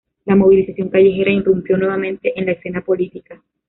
La movilización callejera irrumpió nuevamente en la escena política.